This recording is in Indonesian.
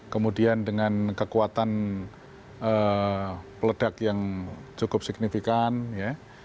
kemudian dengan kekuatan peledak yang cukup signifikan ya